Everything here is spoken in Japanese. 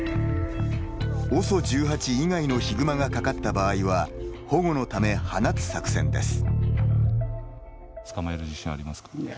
ＯＳＯ１８以外のヒグマがかかった場合は保護のため、放つ作戦です。